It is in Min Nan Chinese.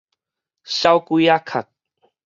小鬼仔殼